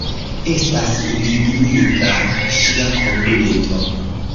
Estas indigniga ŝia konduto.